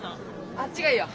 あっちがいいよ。